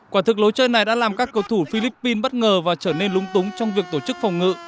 quả thực lối chơi này đã làm các cầu thủ philippines bất ngờ và trở nên lúng túng trong việc tổ chức phòng ngự